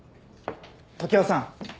常磐さん。